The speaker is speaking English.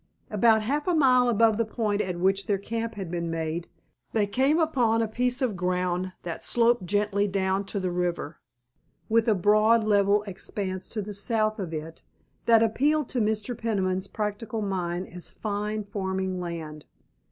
About half a mile above the point at which their camp had been made they came upon a piece of ground that sloped gently down to the river, with a broad, level expanse to the south of it that appealed to Mr. Peniman's practical mind as fine farming land.